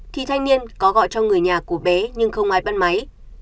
thì thanh niên có gọi cho người nhà của bé nhưng không ai bắt máy